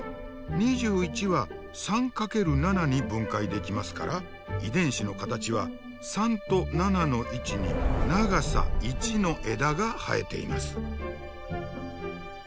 ２１は３×７に分解できますから遺伝子の形は３と７の位置に長さ１の枝が生えています。